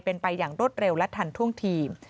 เป็นไปอย่างรวดเร็วและทันท่วงทีม